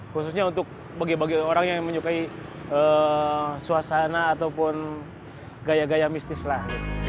khususnya untuk bagi bagi orang yang menyukai suasana ataupun gaya gaya mistis lah